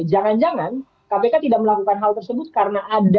jangan jangan kpk tidak melakukan hal tersebut karena ada